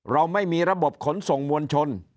เราไม่มีระบบขนส่งมวลชน